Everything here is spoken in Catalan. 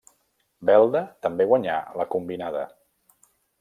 Belda també guanyà la combinada.